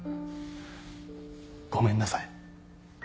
ごめんなさい。